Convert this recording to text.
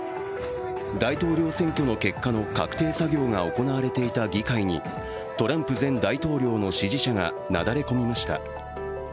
大統領選挙の結果の確定作業が行われていた議会にトランプ前大統領の支持者がなだれ込みました。